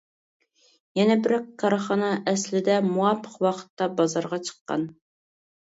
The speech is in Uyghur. يەنە بىر كارخانا، ئەسلىدە مۇۋاپىق ۋاقىتتا بازارغا چىققان.